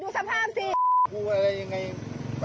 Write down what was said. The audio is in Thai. ทำร้ายตัวไงวะ